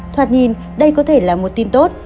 thoạt nhìn đây có thể là một tin tốt